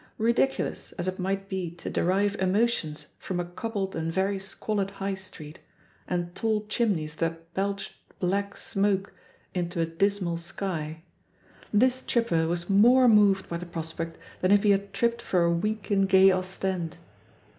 Ridic ulous as it might be to derive emotions from a cobbled and very squalid High Street, and tall chimneys that belched black smoke into a dismal sky, this tripper was more moved by the pros 156 THE POSITION OF PEGGY HARPER 167 pect than if he had tripped for "a week in Gay Ostend."